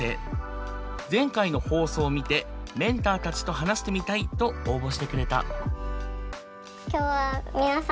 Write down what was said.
前回の放送を見てメンターたちと話してみたいと応募してくれた。